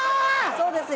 そうですよ